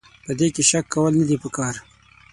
په دې کې شک کول نه دي پکار.